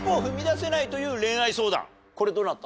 これどなた？